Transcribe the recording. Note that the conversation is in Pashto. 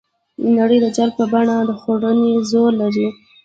نړۍ د جال په بڼه د خوړنې زور لري.